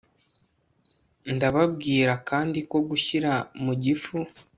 Ndababwira kandi ko gushyira mu gifu